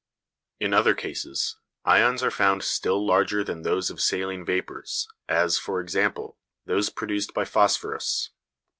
In other cases, ions are found still larger than those of saline vapours, as, for example, those produced by phosphorus.